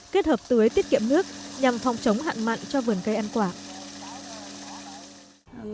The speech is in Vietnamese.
kết hợp tưới tiết kiệm nước nhằm phòng chống hạn mặn cho vườn cây ăn quả